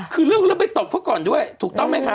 คือเรื่องไปตบเขาก่อนด้วยถูกต้องไหมคะ